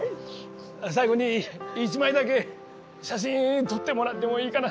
最後に一枚だけ写真撮ってもらってもいいかな？